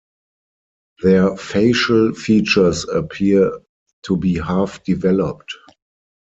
Their facial features appear to be half-developed.